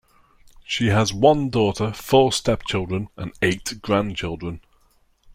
She has one daughter, four stepchildren and eight grandchildren.